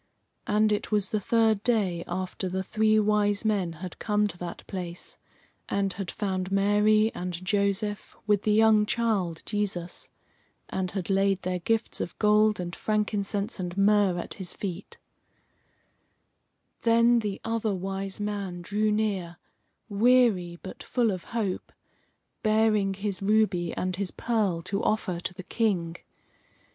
And it was the third day after the three Wise Men had come to that place and had found Mary and Joseph, with the young child, Jesus, and had laid their gifts of gold and frankincense and myrrh at his feet. Then the Other Wise Man drew near, weary, but full of hope, bearing his ruby and his pearl to offer to the King.